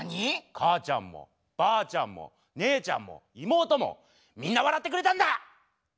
母ちゃんもばあちゃんも姉ちゃんも妹もみんな笑ってくれたんだ！